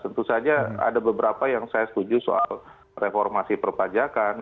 tentu saja ada beberapa yang saya setuju soal reformasi perpajakan